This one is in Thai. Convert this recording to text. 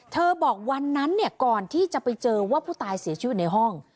บอกวันนั้นก่อนที่จะไปเจอว่าผู้ตายเสียชีวิตในห้อง